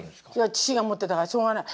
父が持ってたからしょうがない。